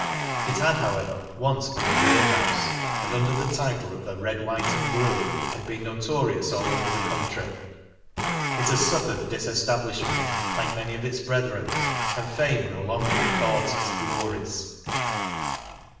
It had, however, once been a beerhouse, and under the title of the "Red, White, and Blue," had been notorious all over the country. It has suffered disestablishment, like many of its brethren, and Fame no longer records its glories.